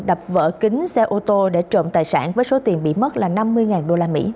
đập vỡ kính xe ô tô để trộm tài sản với số tiền bị mất là năm mươi usd